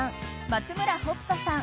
松村北斗さん